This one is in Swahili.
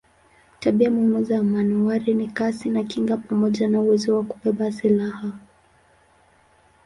Tabia muhimu za manowari ni kasi na kinga pamoja na uwezo wa kubeba silaha.